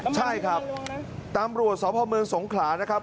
ใช่ครับตามบริวสอบพมสงขลานะครับ